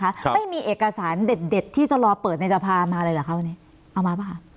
ครับไม่มีเอกสารเด็ดเด็ดที่จะรอเปิดในสภามาเลยเหรอคะวันนี้เอามาป่ะคะ